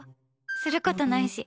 することないし。